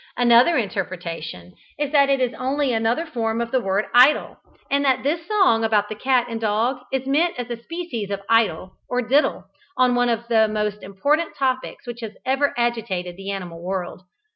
Another interpretation is that it is only another form of the word "Idyll," and that this song about the cat and dog is meant as a species of "Idyll" or "Diddle," on one of the most important topics which has ever agitated the animal world.